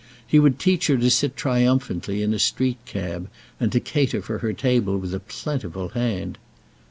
He would teach her to sit triumphantly in a street cab, and to cater for her table with a plentiful hand.